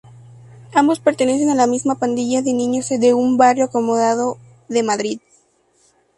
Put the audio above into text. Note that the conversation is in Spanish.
Ambos pertenecen a la misma pandilla de niños de un barrio acomodado de Madrid.